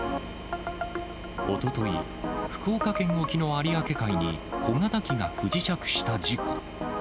おととい、福岡県沖の有明海に小型機が不時着した事故。